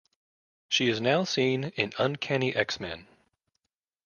She is now seen in Uncanny X-Men.